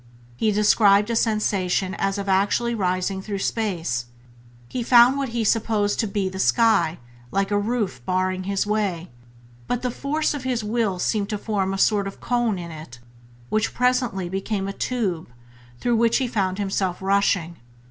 He described a sensation as of actually rising through space; he found what he supposed to be the sky like a roof barring his way, but the force of his will seemed to form a sort of cone in it, which presently became a tube through which he found himself rushing.